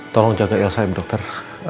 tolong jaga elsa ya bu dokter